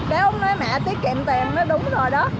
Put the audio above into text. cái ông nói mẹ tiết kiệm tiền nói đúng rồi đó